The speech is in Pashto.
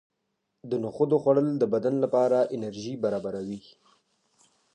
د نخودو خوړل د بدن لپاره انرژي برابروي.